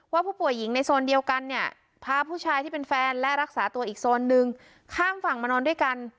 ผู้ป่วยหญิงในโซนเดียวกันเนี่ยพาผู้ชายที่เป็นแฟนและรักษาตัวอีกโซนนึงข้ามฝั่งมานอนด้วยกัน